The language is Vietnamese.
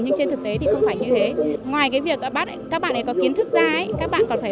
nhưng trên thực tế thì không phải như thế ngoài cái việc các bạn ấy có kiến thức ra ấy các bạn còn phải